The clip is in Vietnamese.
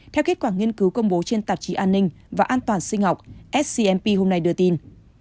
theo kết quả nghiên cứu công bố trên tạp chí an ninh và an toàn sinh học scmp hôm nay đưa tin